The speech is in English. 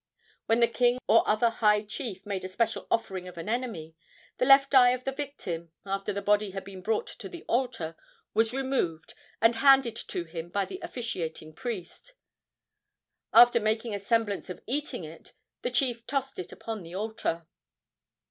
When the king or other high chief made a special offering of an enemy, the left eye of the victim, after the body had been brought to the altar, was removed and handed to him by the officiating priest. After making a semblance of eating it the chief tossed it upon the altar.